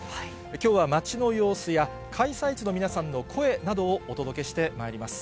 きょうは町の様子や、開催地の皆さんの声などをお届けしてまいります。